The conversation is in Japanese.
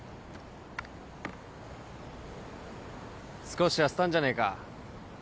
少し痩せたんじゃねえか？